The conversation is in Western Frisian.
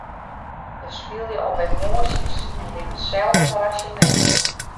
Hja spylje op emoasjes en binne selden rasjoneel.